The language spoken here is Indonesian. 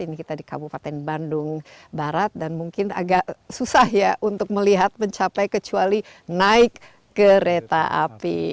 ini kita di kabupaten bandung barat dan mungkin agak susah ya untuk melihat mencapai kecuali naik kereta api